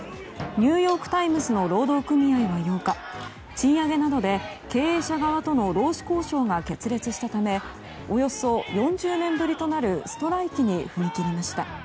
ニューヨーク・タイムズの労働組合は８日賃上げなどで、経営者側との労使交渉が決裂したためおよそ４０年ぶりとなるストライキに踏み切りました。